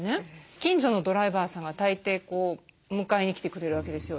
近所のドライバーさんが大抵迎えに来てくれるわけですよ。